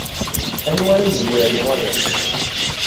Anwa ara yezwiren wayeḍ.